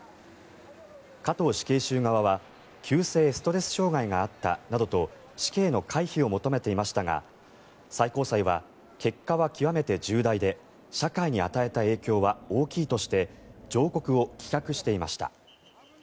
加藤死刑囚側は急性ストレス障害があったなどと死刑の回避を求めていましたが最高裁は結果は極めて重大で社会に与えた影響は大きいとして上告を棄却していました。